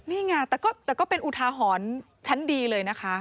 นี่ไงแต่ก็เป็นอุทาหรณ์ชั้นดีเลยนะคะ